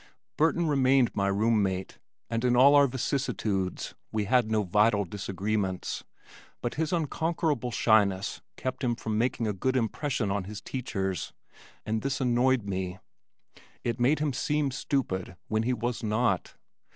Burton remained my room mate and in all our vicissitudes we had no vital disagreements but his unconquerable shyness kept him from making a good impression on his teachers and this annoyed me it made him seem stupid when he was not.